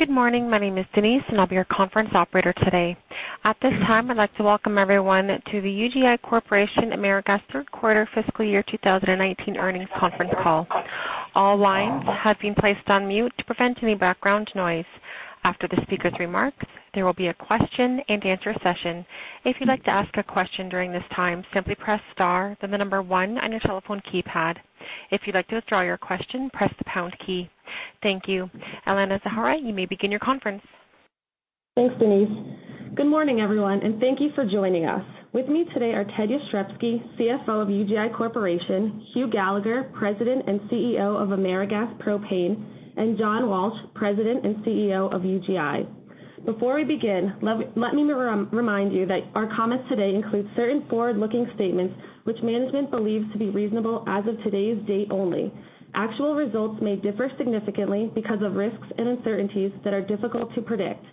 Good morning. My name is Denise, and I'll be your conference operator today. At this time, I'd like to welcome everyone to the UGI Corporation AmeriGas Third Quarter Fiscal Year 2019 earnings conference call. All lines have been placed on mute to prevent any background noise. After the speaker's remarks, there will be a question and answer session. If you'd like to ask a question during this time, simply press star then the number one on your telephone keypad. If you'd like to withdraw your question, press the pound key. Thank you. Alanna Zahora, you may begin your conference. Thanks, Denise. Good morning, everyone, and thank you for joining us. With me today are Ted Jastrzebski, CFO of UGI Corporation, Hugh Gallagher, President and CEO of AmeriGas Propane, and John Walsh, President and CEO of UGI. Before we begin, let me remind you that our comments today include certain forward-looking statements which management believes to be reasonable as of today's date only. Actual results may differ significantly because of risks and uncertainties that are difficult to predict.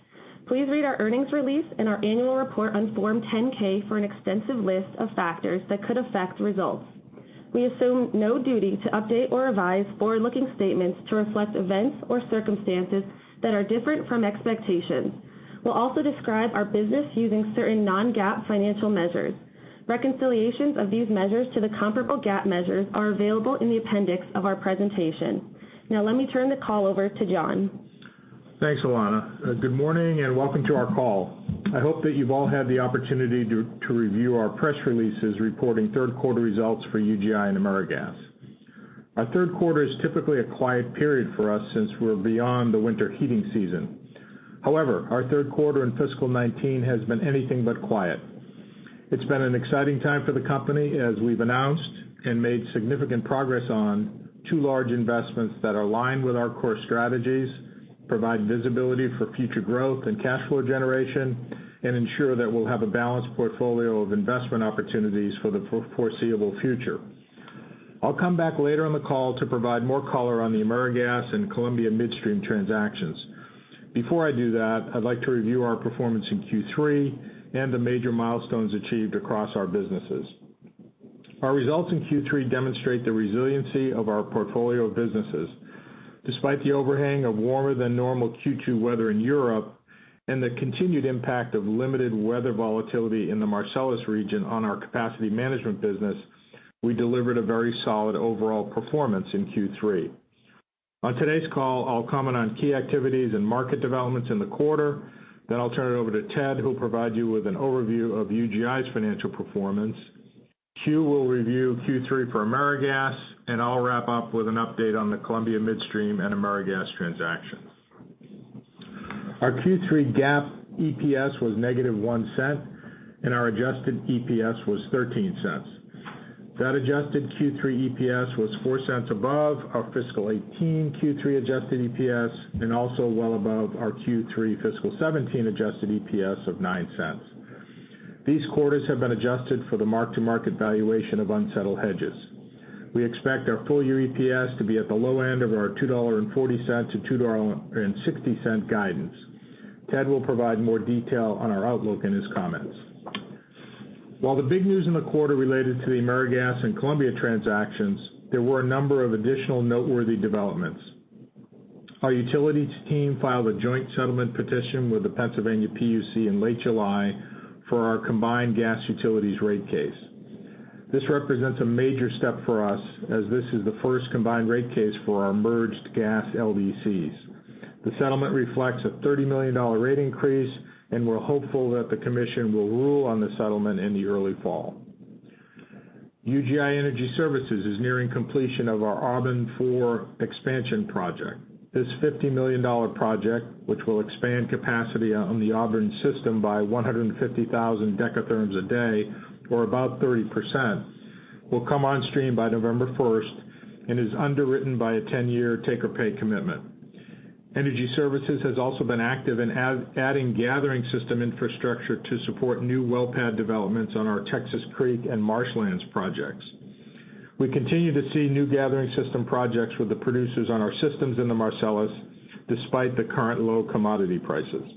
Please read our earnings release and our annual report on Form 10-K for an extensive list of factors that could affect results. We assume no duty to update or revise forward-looking statements to reflect events or circumstances that are different from expectations. We'll also describe our business using certain non-GAAP financial measures. Reconciliations of these measures to the comparable GAAP measures are available in the appendix of our presentation. Let me turn the call over to John. Thanks, Alanna. Good morning and welcome to our call. I hope that you've all had the opportunity to review our press releases reporting third quarter results for UGI and AmeriGas. Our third quarter is typically a quiet period for us since we're beyond the winter heating season. Our third quarter in fiscal 2019 has been anything but quiet. It's been an exciting time for the company as we've announced and made significant progress on two large investments that align with our core strategies, provide visibility for future growth and cash flow generation, and ensure that we'll have a balanced portfolio of investment opportunities for the foreseeable future. I'll come back later on the call to provide more color on the AmeriGas and Columbia Midstream transactions. Before I do that, I'd like to review our performance in Q3 and the major milestones achieved across our businesses. Our results in Q3 demonstrate the resiliency of our portfolio of businesses. Despite the overhang of warmer than normal Q2 weather in Europe and the continued impact of limited weather volatility in the Marcellus region on our capacity management business, we delivered a very solid overall performance in Q3. On today's call, I'll comment on key activities and market developments in the quarter. I'll turn it over to Ted, who'll provide you with an overview of UGI's financial performance. Hugh will review Q3 for AmeriGas, and I'll wrap up with an update on the Columbia Midstream and AmeriGas transactions. Our Q3 GAAP EPS was negative $0.01, and our adjusted EPS was $0.13. That adjusted Q3 EPS was $0.04 above our fiscal 2018 Q3 adjusted EPS, and also well above our Q3 fiscal 2017 adjusted EPS of $0.09. These quarters have been adjusted for the mark-to-market valuation of unsettled hedges. We expect our full-year EPS to be at the low end of our $2.40-$2.60 guidance. Ted will provide more detail on our outlook in his comments. While the big news in the quarter related to the AmeriGas and Columbia transactions, there were a number of additional noteworthy developments. Our utilities team filed a joint settlement petition with the Pennsylvania PUC in late July for our combined gas utilities rate case. This represents a major step for us as this is the first combined rate case for our merged gas LDCs. The settlement reflects a $30 million rate increase, and we're hopeful that the commission will rule on the settlement in the early fall. UGI Energy Services is nearing completion of our Auburn Four expansion project. This $50 million project, which will expand capacity on the Auburn system by 150,000 dekatherms a day, or about 30%, will come on stream by November 1st and is underwritten by a 10-year take-or-pay commitment. Energy Services has also been active in adding gathering system infrastructure to support new well pad developments on our Texas Creek and Marshlands projects. We continue to see new gathering system projects with the producers on our systems in the Marcellus, despite the current low commodity prices.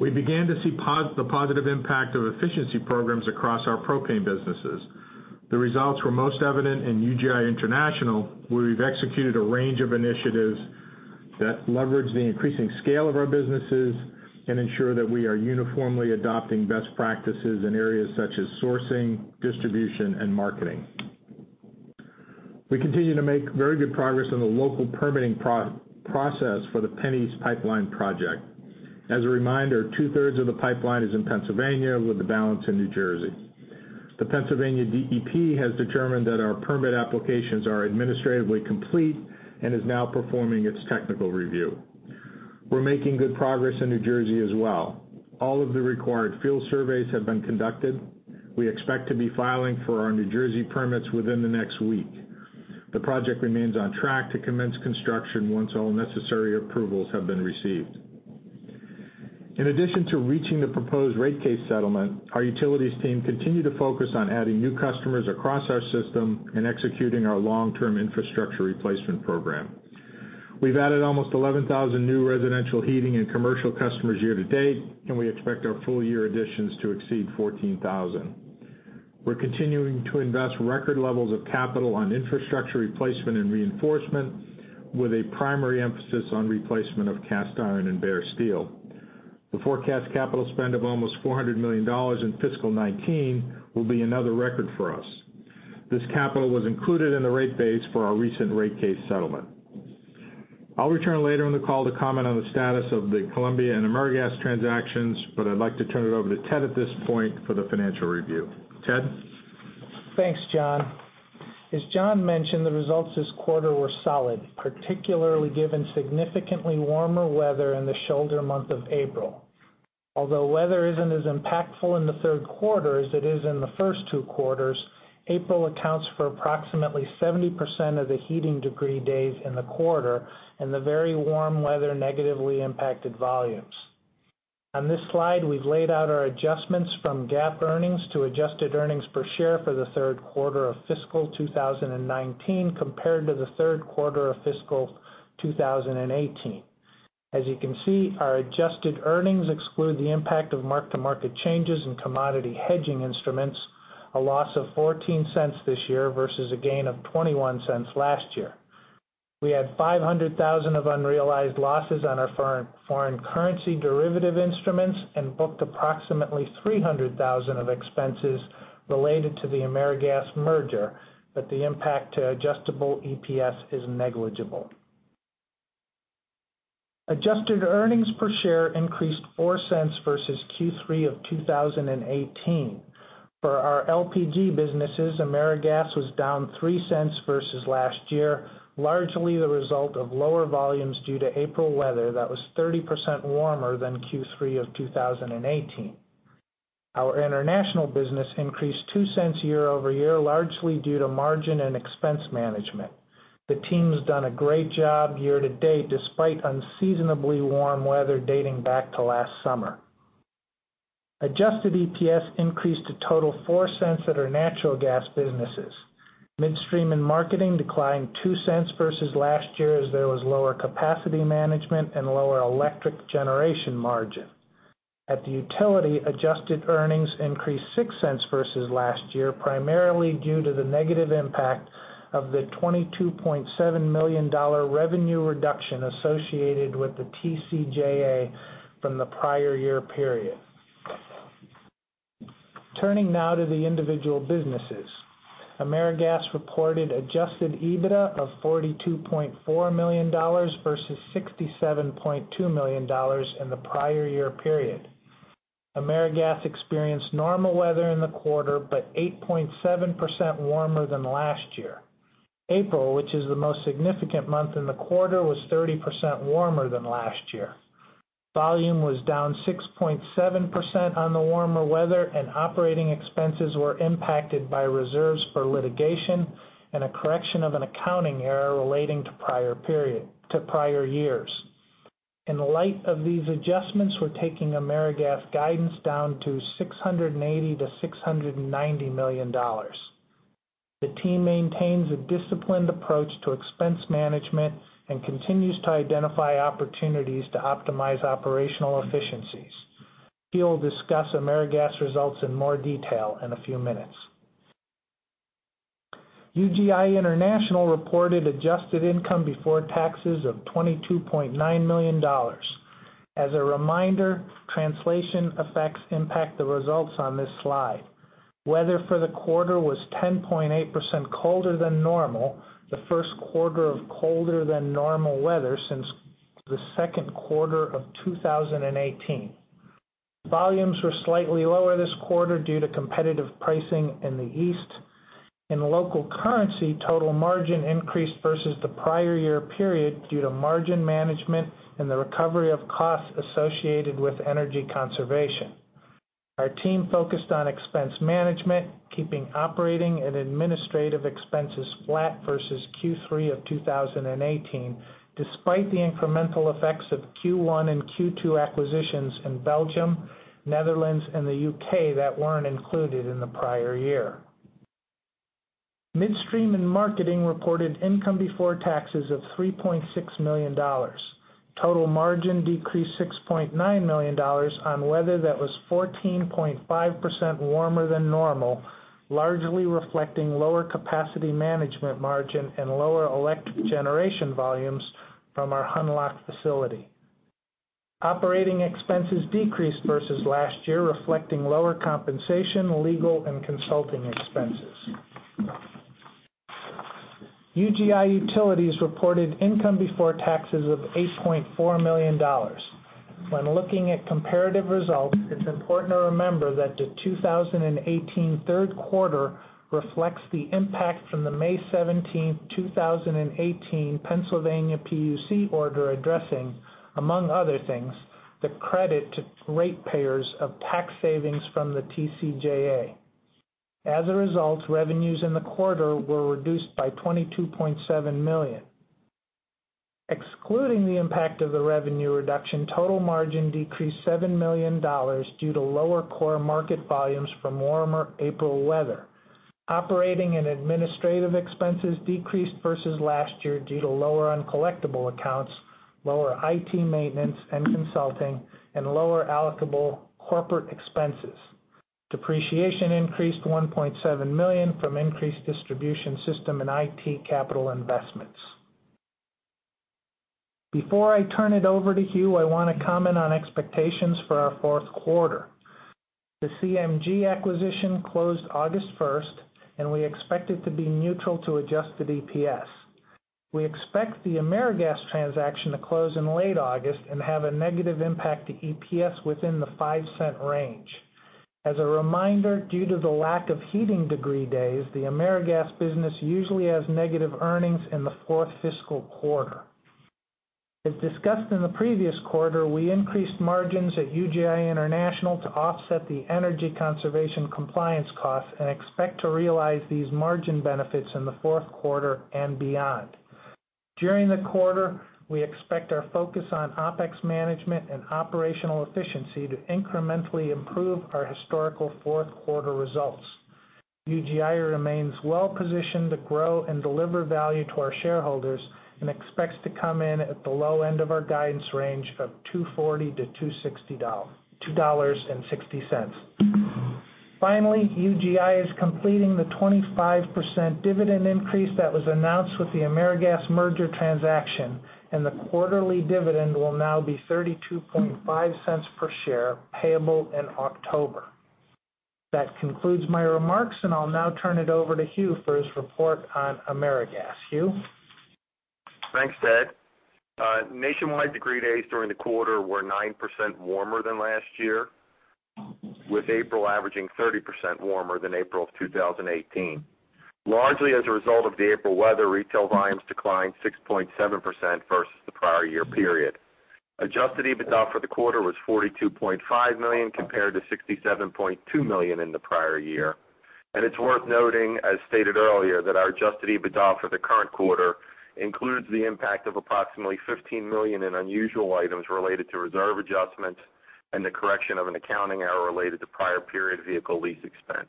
We began to see the positive impact of efficiency programs across our propane businesses. The results were most evident in UGI International, where we've executed a range of initiatives that leverage the increasing scale of our businesses and ensure that we are uniformly adopting best practices in areas such as sourcing, distribution, and marketing. We continue to make very good progress on the local permitting process for the PennEast Pipeline project. As a reminder, two-thirds of the pipeline is in Pennsylvania with the balance in New Jersey. The Pennsylvania DEP has determined that our permit applications are administratively complete and is now performing its technical review. We're making good progress in New Jersey as well. All of the required field surveys have been conducted. We expect to be filing for our New Jersey permits within the next week. The project remains on track to commence construction once all necessary approvals have been received. In addition to reaching the proposed rate case settlement, our utilities team continue to focus on adding new customers across our system and executing our long-term infrastructure replacement program. We've added almost 11,000 new residential heating and commercial customers year to date, and we expect our full-year additions to exceed 14,000. We're continuing to invest record levels of capital on infrastructure replacement and reinforcement with a primary emphasis on replacement of cast iron and bare steel. The forecast capital spend of almost $400 million in fiscal 2019 will be another record for us. This capital was included in the rate base for our recent rate case settlement. I'll return later in the call to comment on the status of the Columbia and AmeriGas transactions, but I'd like to turn it over to Ted at this point for the financial review. Ted? Thanks, John. As John mentioned, the results this quarter were solid, particularly given significantly warmer weather in the shoulder month of April. Although weather isn't as impactful in the third quarter as it is in the first two quarters, April accounts for approximately 70% of the heating degree days in the quarter, and the very warm weather negatively impacted volumes. On this slide, we've laid out our adjustments from GAAP earnings to adjusted earnings per share for the third quarter of fiscal 2019 compared to the third quarter of fiscal 2018. As you can see, our adjusted earnings exclude the impact of mark-to-market changes in commodity hedging instruments, a loss of $0.14 this year versus a gain of $0.21 last year. We had $500,000 of unrealized losses on our foreign currency derivative instruments and booked approximately $300,000 of expenses related to the AmeriGas merger. The impact to adjusted EPS is negligible. Adjusted EPS increased $0.04 versus Q3 of 2018. For our LPG businesses, AmeriGas was down $0.03 versus last year, largely the result of lower volumes due to April weather that was 30% warmer than Q3 of 2018. Our International business increased $0.02 year-over-year, largely due to margin and expense management. The team's done a great job year-to-date, despite unseasonably warm weather dating back to last summer. Adjusted EPS increased to total $0.04 at our natural gas businesses. Midstream & Marketing declined $0.02 versus last year as there was lower capacity management and lower electric generation margin. At the utility, adjusted earnings increased $0.06 versus last year, primarily due to the negative impact of the $22.7 million revenue reduction associated with the TCJA from the prior year period. Turning now to the individual businesses. AmeriGas reported adjusted EBITDA of $42.4 million versus $67.2 million in the prior year period. AmeriGas experienced normal weather in the quarter, but 8.7% warmer than last year. April, which is the most significant month in the quarter, was 30% warmer than last year. Volume was down 6.7% on the warmer weather, and operating expenses were impacted by reserves for litigation and a correction of an accounting error relating to prior years. In light of these adjustments, we're taking AmeriGas guidance down to $680 million-$690 million. The team maintains a disciplined approach to expense management and continues to identify opportunities to optimize operational efficiencies. Hugh will discuss AmeriGas results in more detail in a few minutes. UGI International reported adjusted income before taxes of $22.9 million. As a reminder, translation effects impact the results on this slide. Weather for the quarter was 10.8% colder than normal, the first quarter of colder-than-normal weather since the second quarter of 2018. Volumes were slightly lower this quarter due to competitive pricing in the East. In local currency, total margin increased versus the prior year period due to margin management and the recovery of costs associated with energy conservation. Our team focused on expense management, keeping operating and administrative expenses flat versus Q3 of 2018, despite the incremental effects of Q1 and Q2 acquisitions in Belgium, Netherlands, and the U.K. that weren't included in the prior year. Midstream & Marketing reported income before taxes of $3.6 million. Total margin decreased $6.9 million on weather that was 14.5% warmer than normal, largely reflecting lower capacity management margin and lower electric generation volumes from our Hunlock facility. Operating expenses decreased versus last year, reflecting lower compensation, legal, and consulting expenses. UGI Utilities reported income before taxes of $8.4 million. When looking at comparative results, it's important to remember that the 2018 third quarter reflects the impact from the May 17th, 2018, Pennsylvania PUC order addressing, among other things, the credit to ratepayers of tax savings from the TCJA. As a result, revenues in the quarter were reduced by $22.7 million. Excluding the impact of the revenue reduction, total margin decreased $7 million due to lower core market volumes from warmer April weather. Operating and administrative expenses decreased versus last year due to lower uncollectible accounts, lower IT maintenance and consulting, and lower allocable corporate expenses. Depreciation increased $1.7 million from increased distribution system and IT capital investments. Before I turn it over to Hugh, I want to comment on expectations for our fourth quarter. The CMG acquisition closed August 1st, and we expect it to be neutral to adjusted EPS. We expect the AmeriGas transaction to close in late August and have a negative impact to EPS within the $0.05 range. As a reminder, due to the lack of heating degree days, the AmeriGas business usually has negative earnings in the fourth fiscal quarter. As discussed in the previous quarter, we increased margins at UGI International to offset the energy conservation compliance costs and expect to realize these margin benefits in the fourth quarter and beyond. During the quarter, we expect our focus on OPEX management and operational efficiency to incrementally improve our historical fourth-quarter results. UGI remains well-positioned to grow and deliver value to our shareholders and expects to come in at the low end of our guidance range of $2.60. Finally, UGI is completing the 25% dividend increase that was announced with the AmeriGas merger transaction, and the quarterly dividend will now be $0.325 per share, payable in October. That concludes my remarks, and I'll now turn it over to Hugh for his report on AmeriGas. Hugh? Thanks, Ted. Nationwide degree days during the quarter were 9% warmer than last year, with April averaging 30% warmer than April of 2018. Largely as a result of the April weather, retail volumes declined 6.7% versus the prior year period. Adjusted EBITDA for the quarter was $42.5 million, compared to $67.2 million in the prior year. It's worth noting, as stated earlier, that our adjusted EBITDA for the current quarter includes the impact of approximately $15 million in unusual items related to reserve adjustments and the correction of an accounting error related to prior period vehicle lease expense.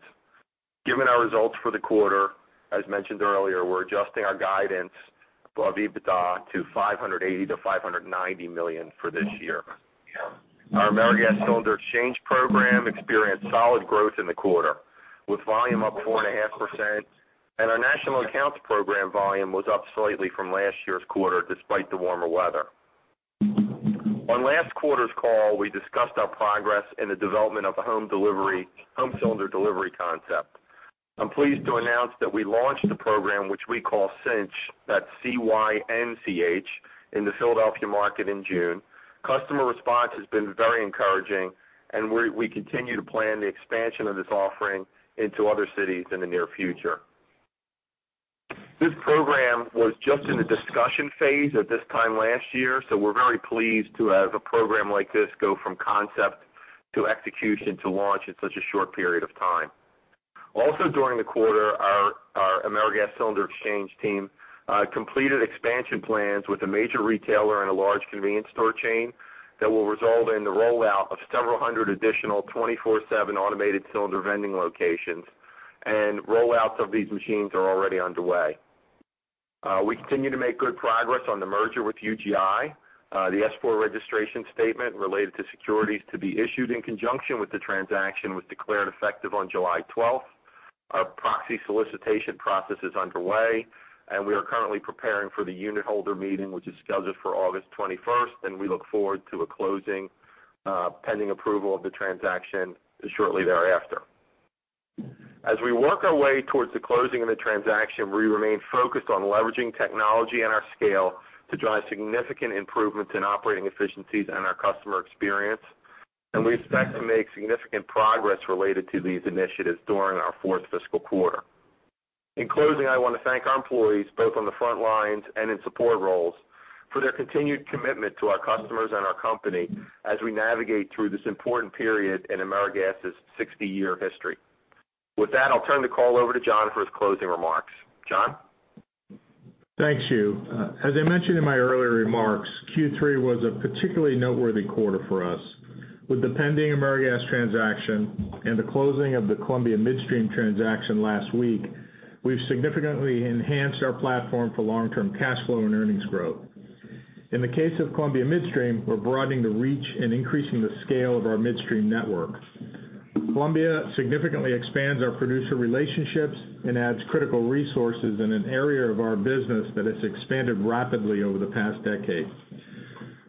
Given our results for the quarter, as mentioned earlier, we're adjusting our guidance for EBITDA to $580 million-$590 million for this year. Our AmeriGas cylinder exchange program experienced solid growth in the quarter, with volume up 4.5%, and our national accounts program volume was up slightly from last year's quarter, despite the warmer weather. On last quarter's call, we discussed our progress in the development of a home cylinder delivery concept. I'm pleased to announce that we launched the program, which we call Cynch, that's C-Y-N-C-H, in the Philadelphia market in June. Customer response has been very encouraging, and we continue to plan the expansion of this offering into other cities in the near future. This program was just in the discussion phase at this time last year, so we're very pleased to have a program like this go from concept to execution to launch in such a short period of time. During the quarter, our AmeriGas cylinder exchange team completed expansion plans with a major retailer and a large convenience store chain that will result in the rollout of several hundred additional 24/7 automated cylinder vending locations. Rollouts of these machines are already underway. We continue to make good progress on the merger with UGI. The S-4 registration statement related to securities to be issued in conjunction with the transaction was declared effective on July 12th. Our proxy solicitation process is underway. We are currently preparing for the unit holder meeting, which is scheduled for August 21st. We look forward to a closing pending approval of the transaction shortly thereafter. As we work our way towards the closing of the transaction, we remain focused on leveraging technology and our scale to drive significant improvements in operating efficiencies and our customer experience, and we expect to make significant progress related to these initiatives during our fourth fiscal quarter. In closing, I want to thank our employees, both on the front lines and in support roles, for their continued commitment to our customers and our company as we navigate through this important period in AmeriGas's 60-year history. With that, I'll turn the call over to John for his closing remarks. John? Thanks, Hugh. As I mentioned in my earlier remarks, Q3 was a particularly noteworthy quarter for us. With the pending AmeriGas transaction and the closing of the Columbia Midstream transaction last week, we've significantly enhanced our platform for long-term cash flow and earnings growth. In the case of Columbia Midstream, we're broadening the reach and increasing the scale of our midstream network. Columbia significantly expands our producer relationships and adds critical resources in an area of our business that has expanded rapidly over the past decade.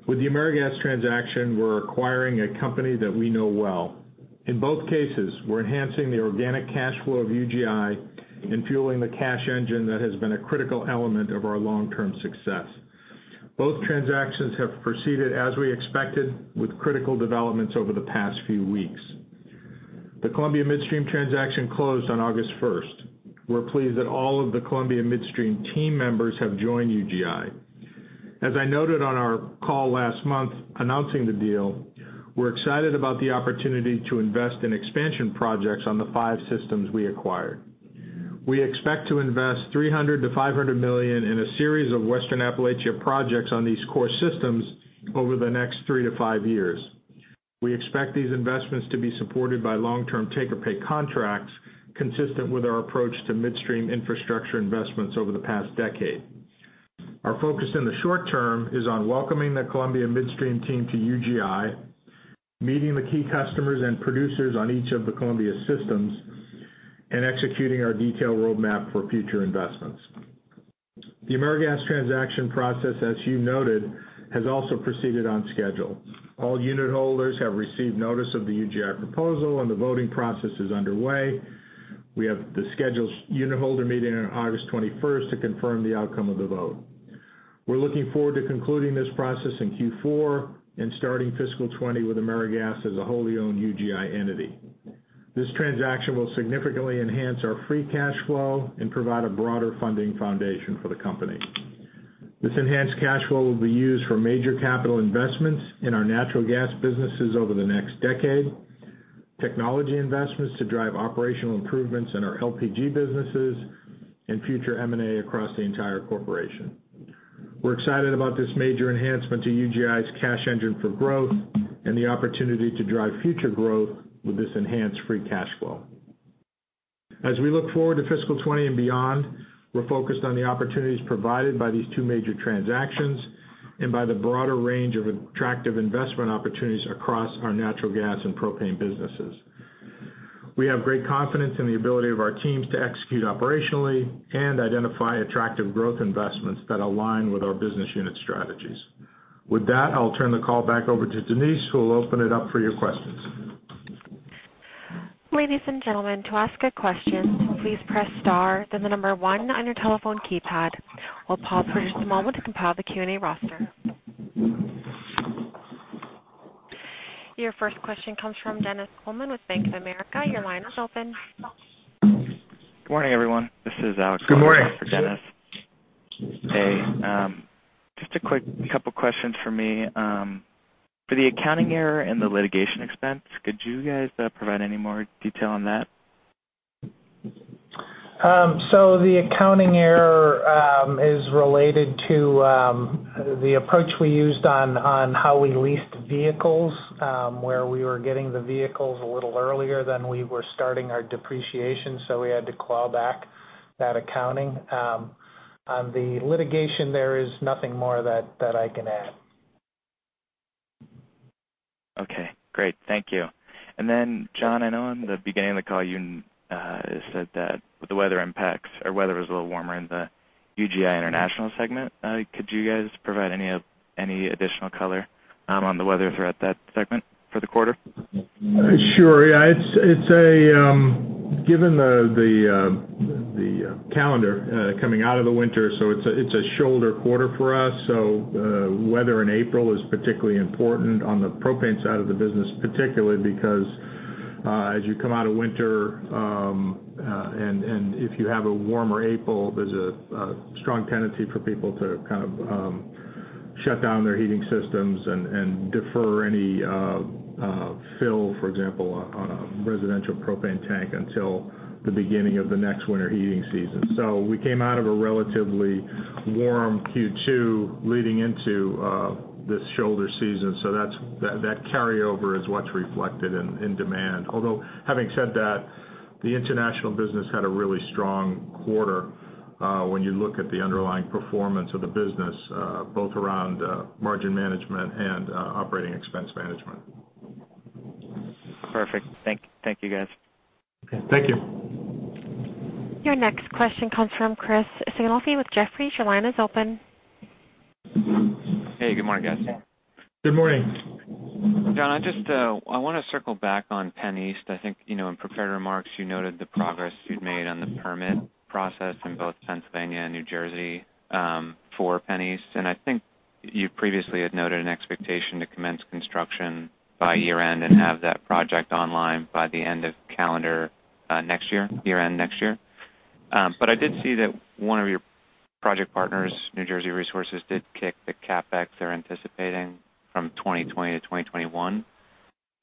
With the AmeriGas transaction, we're acquiring a company that we know well. In both cases, we're enhancing the organic cash flow of UGI and fueling the cash engine that has been a critical element of our long-term success. Both transactions have proceeded as we expected with critical developments over the past few weeks. The Columbia Midstream transaction closed on August 1st. We're pleased that all of the Columbia Midstream team members have joined UGI. As I noted on our call last month announcing the deal, we're excited about the opportunity to invest in expansion projects on the five systems we acquired. We expect to invest $300 million-$500 million in a series of Western Appalachia projects on these core systems over the next three to five years. We expect these investments to be supported by long-term take-or-pay contracts, consistent with our approach to midstream infrastructure investments over the past decade. Our focus in the short term is on welcoming the Columbia Midstream team to UGI, meeting the key customers and producers on each of the Columbia systems, and executing our detailed roadmap for future investments. The AmeriGas transaction process, as you noted, has also proceeded on schedule. All unit holders have received notice of the UGI proposal. The voting process is underway. We have the scheduled unit holder meeting on August 21st to confirm the outcome of the vote. We're looking forward to concluding this process in Q4 and starting fiscal 2020 with AmeriGas as a wholly owned UGI entity. This transaction will significantly enhance our free cash flow and provide a broader funding foundation for the company. This enhanced cash flow will be used for major capital investments in our natural gas businesses over the next decade, technology investments to drive operational improvements in our LPG businesses, and future M&A across the entire corporation. We're excited about this major enhancement to UGI's cash engine for growth and the opportunity to drive future growth with this enhanced free cash flow. As we look forward to fiscal 2020 and beyond, we're focused on the opportunities provided by these two major transactions and by the broader range of attractive investment opportunities across our natural gas and propane businesses. We have great confidence in the ability of our teams to execute operationally and identify attractive growth investments that align with our business unit strategies. With that, I'll turn the call back over to Denise, who will open it up for your questions. Ladies and gentlemen, to ask a question, please press star then the number 1 on your telephone keypad. We'll pause for just a moment to compile the Q&A roster. Your first question comes from Dennis Coleman with Bank of America. Your line is open. Good morning, everyone. This is Alex. Good morning. covering for Dennis. Hey. Just a quick couple questions from me. For the accounting error and the litigation expense, could you guys provide any more detail on that? The accounting error is related to the approach we used on how we leased vehicles, where we were getting the vehicles a little earlier than we were starting our depreciation, so we had to claw back that accounting. On the litigation, there is nothing more that I can add. Okay, great. Thank you. John, I know in the beginning of the call, you said that with the weather impacts or weather was a little warmer in the UGI International segment. Could you guys provide any additional color on the weather throughout that segment for the quarter? Sure. Yeah. Given the calendar coming out of the winter, it's a shoulder quarter for us. Weather in April is particularly important on the propane side of the business, particularly because as you come out of winter, and if you have a warmer April, there's a strong tendency for people to shut down their heating systems and defer any fill, for example, on a residential propane tank until the beginning of the next winter heating season. We came out of a relatively warm Q2 leading into this shoulder season. That carryover is what's reflected in demand. Although, having said that, the UGI International business had a really strong quarter when you look at the underlying performance of the business, both around margin management and operating expense management. Perfect. Thank you, guys. Okay. Thank you. Your next question comes from Chris Sighinolfi with Jefferies. Your line is open. Hey, good morning, guys. Good morning. John, I want to circle back on PennEast. I think in prepared remarks, you noted the progress you'd made on the permit process in both Pennsylvania and New Jersey for PennEast, and I think you previously had noted an expectation to commence construction by year-end and have that project online by the end of calendar next year-end next year. I did see that one of your project partners, New Jersey Resources, did kick the CapEx they're anticipating from 2020 to 2021.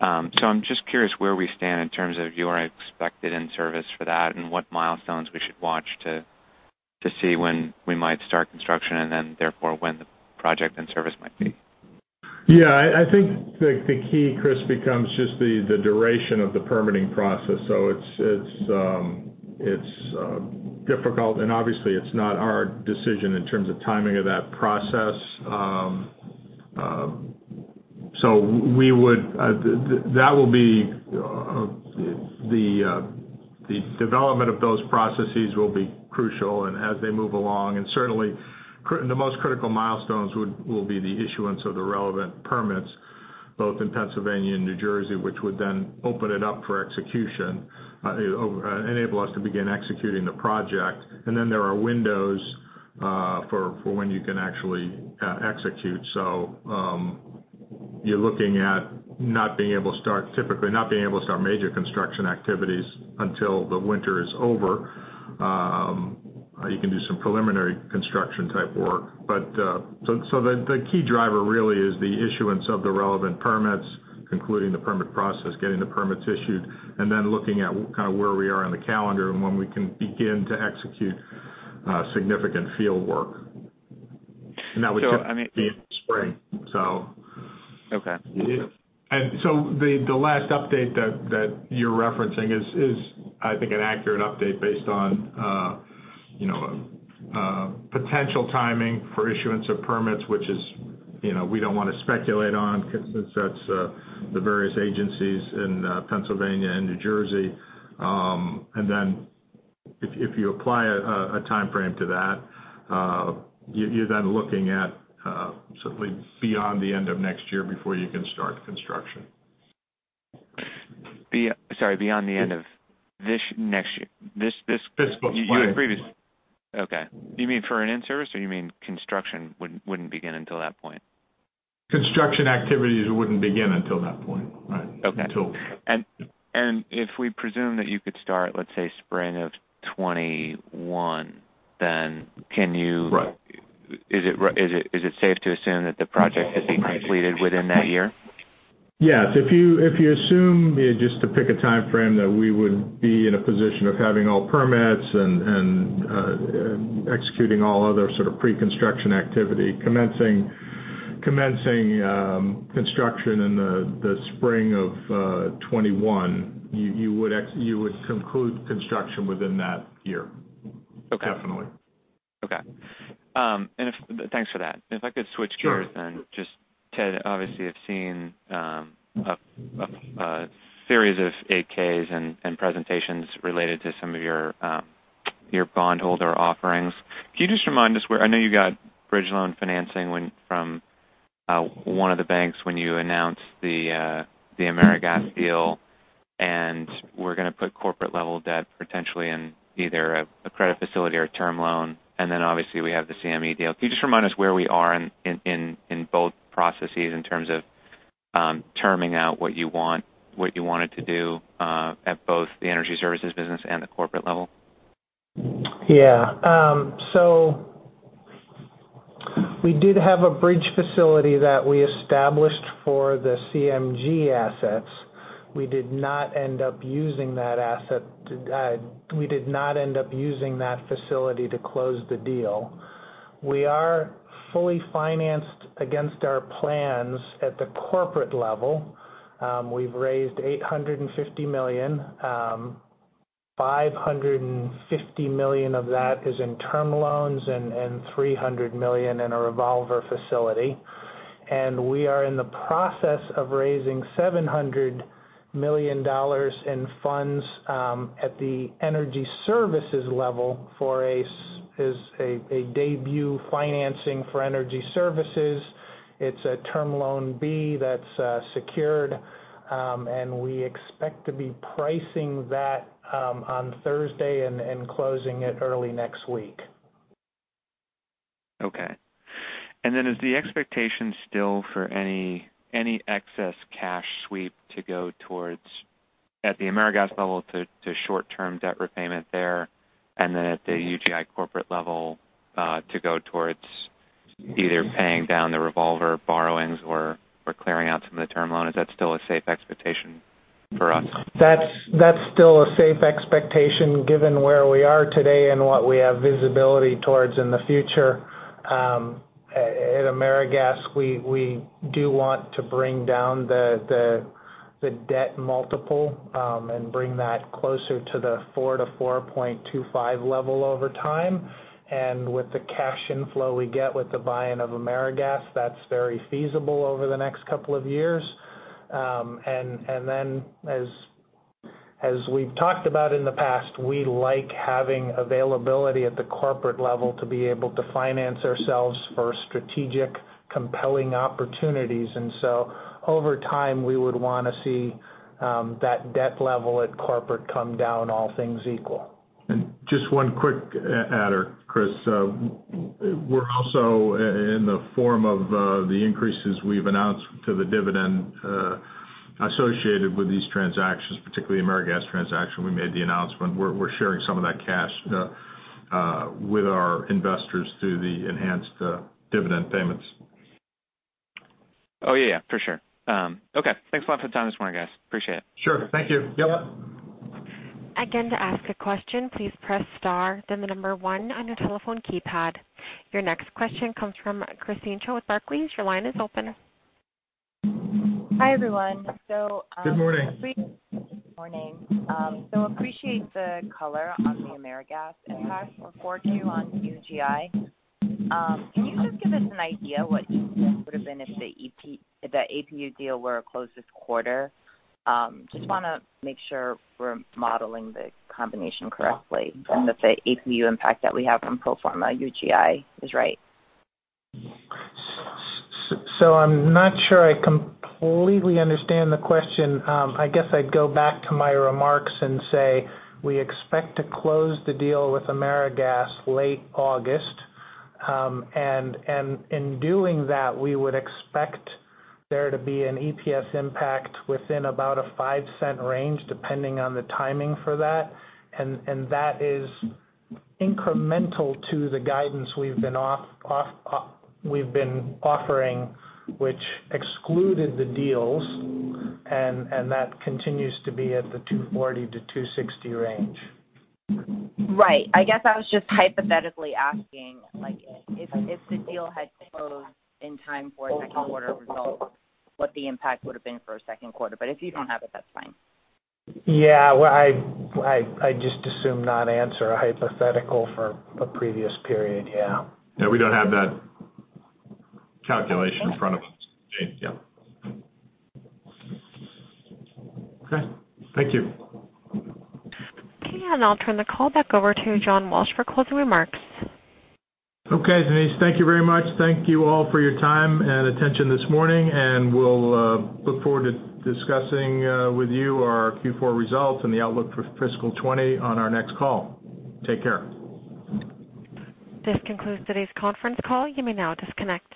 I'm just curious where we stand in terms of you are expected in service for that and what milestones we should watch to see when we might start construction and then therefore when the project and service might be. Yeah, I think the key, Chris, becomes just the duration of the permitting process. It's difficult, and obviously it's not our decision in terms of timing of that process. The development of those processes will be crucial and as they move along, and certainly the most critical milestones will be the issuance of the relevant permits both in Pennsylvania and New Jersey, which would then open it up for execution, enable us to begin executing the project. There are windows for when you can actually execute. You're looking at typically not being able to start major construction activities until the winter is over. You can do some preliminary construction type work. The key driver really is the issuance of the relevant permits, concluding the permit process, getting the permits issued, then looking at where we are on the calendar and when we can begin to execute significant field work. That would just be in spring. Okay. The last update that you're referencing is, I think, an accurate update based on potential timing for issuance of permits, which we don't want to speculate on since that's the various agencies in Pennsylvania and New Jersey. If you apply a timeframe to that, you're then looking at certainly beyond the end of next year before you can start construction. Sorry, beyond the end of this next year? Fiscal 2020. Okay. You mean for an in-service, or you mean construction wouldn't begin until that point? Construction activities wouldn't begin until that point. Right. Okay. Until- If we presume that you could start, let's say, spring of 2021. Right. Is it safe to assume that the project could be completed within that year? If you assume, just to pick a timeframe, that we would be in a position of having all permits and executing all other sort of pre-construction activity, commencing construction in the spring of 2021, you would conclude construction within that year. Okay. Definitely. Okay. Thanks for that. If I could switch gears then. Sure. Just, Ted, obviously have seen a series of 8-Ks and presentations related to some of your bondholder offerings. Can you just remind us? I know you got bridge loan financing from one of the banks when you announced the AmeriGas deal, and were going to put corporate-level debt potentially in either a credit facility or a term loan, and then obviously we have the CMG deal. Can you just remind us where we are in both processes in terms of terming out what you wanted to do at both the energy services business and the corporate level? Yeah. We did have a bridge facility that we established for the CMG assets. We did not end up using that facility to close the deal. We are fully financed against our plans at the corporate level. We've raised $850 million. $550 million of that is in term loans and $300 million in a revolver facility. We are in the process of raising $700 million in funds at the UGI Energy Services level as a debut financing for UGI Energy Services. It's a term loan B that's secured, and we expect to be pricing that on Thursday and closing it early next week. Okay. Is the expectation still for any excess cash sweep to go towards, at the AmeriGas level, to short-term debt repayment there, and then at the UGI corporate level, to go towards either paying down the revolver borrowings or clearing out some of the term loan? Is that still a safe expectation for us? That's still a safe expectation given where we are today and what we have visibility towards in the future. At AmeriGas, we do want to bring down the debt multiple, and bring that closer to the 4 to 4.25 level over time. With the cash inflow we get with the buy-in of AmeriGas, that's very feasible over the next couple of years. Then as we've talked about in the past, we like having availability at the corporate level to be able to finance ourselves for strategic, compelling opportunities. So over time, we would want to see that debt level at corporate come down, all things equal. Just one quick adder, Chris. We're also in the form of the increases we've announced to the dividend associated with these transactions, particularly AmeriGas transaction, we made the announcement. We're sharing some of that cash with our investors through the enhanced dividend payments. Oh, yeah. For sure. Okay. Thanks a lot for the time this morning, guys. Appreciate it. Sure. Thank you. [Yella]? Again, to ask a question, please press star then the number one on your telephone keypad. Your next question comes from Christine Cho with Barclays. Your line is open. Hi, everyone. Good morning. Morning. Appreciate the color on the AmeriGas impact for Q on UGI. Can you just give us an idea what the impact would've been if the APU deal were to close this quarter? Just want to make sure we're modeling the combination correctly, and that the APU impact that we have on pro forma UGI is right. I'm not sure I completely understand the question. I guess I'd go back to my remarks and say we expect to close the deal with AmeriGas late August. In doing that, we would expect there to be an EPS impact within about a $0.05 range, depending on the timing for that. That is incremental to the guidance we've been offering, which excluded the deals, and that continues to be at the $2.40-$2.60 range. Right. I guess I was just hypothetically asking, if the deal had closed in time for second quarter results, what the impact would've been for second quarter. If you don't have it, that's fine. Yeah. Well, I'd just as assume not answer a hypothetical for a previous period. Yeah. Yeah, we don't have that calculation in front of us. Okay. Yeah. Okay. Thank you. Okay, I'll turn the call back over to John Walsh for closing remarks. Okay. Denise, thank you very much. Thank you all for your time and attention this morning, and we'll look forward to discussing with you our Q4 results and the outlook for fiscal 2020 on our next call. Take care. This concludes today's conference call. You may now disconnect.